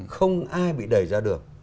không ai bị đẩy ra được